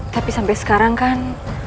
tapi sampai sekarang kan